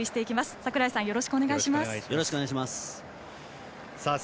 櫻井さん、よろしくお願いします。